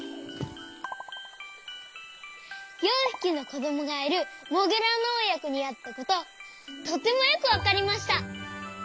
４ひきのこどもがいるモグラのおやこにあったこととてもよくわかりました。